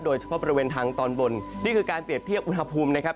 โดยเฉพาะบริเวณทางตอนบนนี่คือการเปรียบเทียบอุณหภูมินะครับ